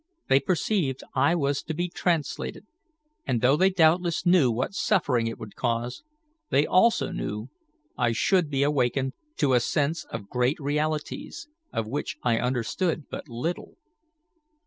They perceived I was to be translated, and though they doubtless knew what suffering it would cause, they also knew I should be awakened to a sense of great realities, of which I understood but little."